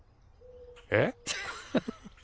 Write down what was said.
えっ？